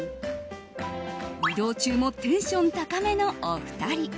移動中もテンション高めのお二人。